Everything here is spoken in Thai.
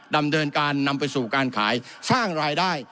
ดำเนินการนำไปสู่การขายสร้างรายได้